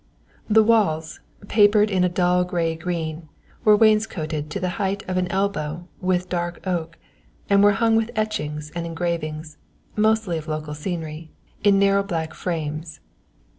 The walls, papered a dull grey green, were wainscoted to the height of an elbow with dark oak, and were hung with etchings and engravings, mostly of local scenery, in narrow black frames.